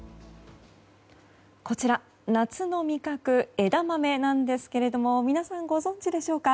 こちら、夏の味覚枝豆なんですが皆さん、ご存じでしょうか？